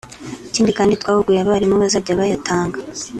ikindi kandi twahuguye abarimu bazajya bayatanga